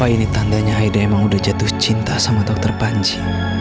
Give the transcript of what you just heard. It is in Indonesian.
ini tandanya aida emang udah jatuh cinta sama dokter panci